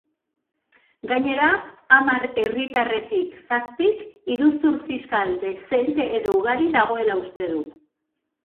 Gainera, hamar herritarretik zazpik iruzur fiskal dezente edo ugari dagoela uste du.